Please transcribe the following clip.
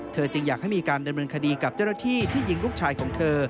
จึงอยากให้มีการดำเนินคดีกับเจ้าหน้าที่ที่ยิงลูกชายของเธอ